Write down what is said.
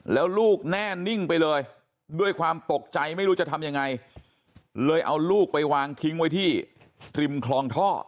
แล้วลูกแน่นิ่งไปเลยด้วยความตกใจไม่รู้จะทำยังไงเลยเอาลูกไปวางทิ้งไว้ที่ริมคลองท่อ